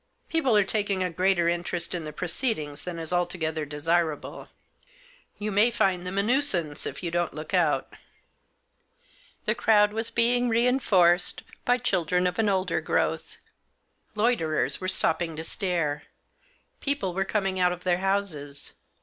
People are taking a greater interest in the proceedings than is altogether desirable. You may find them a nuisance if you don't look out." The crowd was being reinforced by children of an older growth. Loiterers were stopping to stare. People were coming out of their houses.